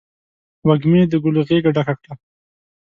وږمې د ګلو غیږه ډکه کړله